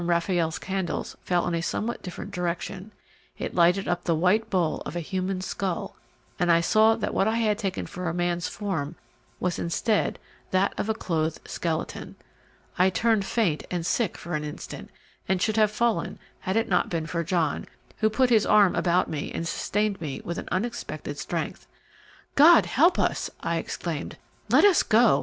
Raffaelle's candles fell in a somewhat different direction. It lighted up the white bowl of a human skull, and I saw that what I had taken for a man's form was instead that of a clothed skeleton. I turned faint and sick for an instant, and should have fallen had it not been for John, who put his arm about me and sustained me with an unexpected strength. "God help us!" I exclaimed, "let us go.